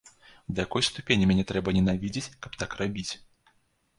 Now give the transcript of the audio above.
Да якой ступені мяне трэба ненавідзець, каб так рабіць?